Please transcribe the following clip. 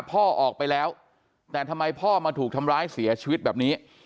พ่อออกไปแล้วแต่ทำไมพ่อมาถูกทำร้ายเสียชีวิตแบบนี้